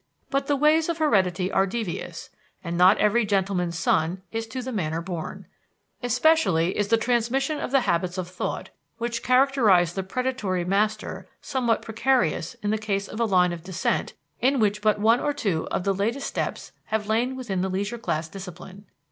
But the ways of heredity are devious, and not every gentleman's son is to the manor born. Especially is the transmission of the habits of thought which characterize the predatory master somewhat precarious in the case of a line of descent in which but one or two of the latest steps have lain within the leisure class discipline.